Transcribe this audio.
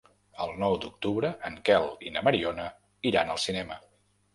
El nou d'octubre en Quel i na Mariona iran al cinema.